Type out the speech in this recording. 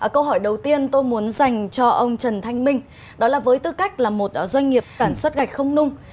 câu hỏi đầu tiên tôi muốn dành cho ông trần thanh minh đó là với tư cách là một doanh nghiệp sản xuất gạch không nung